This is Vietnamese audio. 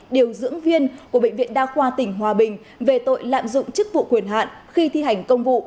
điều dưỡng viên của bệnh viện đa khoa tỉnh hòa bình về tội lạm dụng chức vụ quyền hạn khi thi hành công vụ